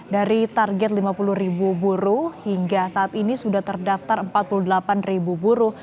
dari target lima puluh ribu buruh hingga saat ini sudah terdaftar empat puluh delapan ribu buruh